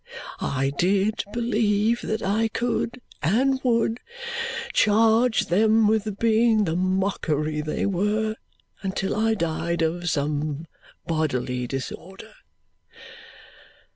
I did believe that I could, and would, charge them with being the mockery they were until I died of some bodily disorder.